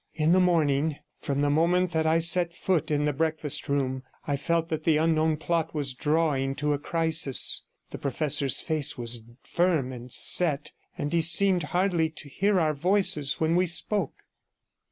In the morning from the moment that I set foot in the breakfast room, I felt that the unknown plot was drawing to a crisis; the professor's face was firm and set, and he seemed hardly to hear our voices when we spoke.